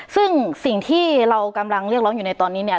ซึ่งสิ่งที่เรากำลังเรียกร้องอยู่ในตอนนี้เนี่ย